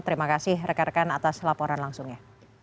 terima kasih rekan rekan atas laporan langsungnya